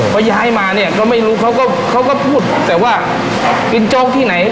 เขาย้ายมาเนี่ยก็ไม่รู้เขาก็เขาก็พูดแต่ว่ากินโจ๊กที่ไหน